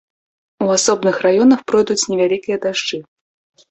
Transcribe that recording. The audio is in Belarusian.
У асобных раёнах пройдуць невялікія дажджы.